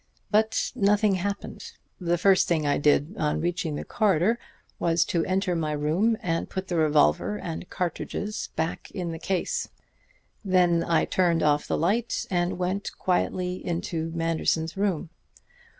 But nothing happened. "The first thing I did on reaching the corridor was to enter my room and put the revolver and cartridges back in the case. Then I turned off the light and went quietly into Manderson's room.